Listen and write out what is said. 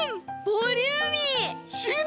ボリューミー！